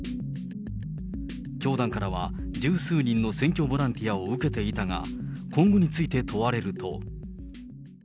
教団からは十数人の選挙ボランティアを受けていたが、今後について問われると。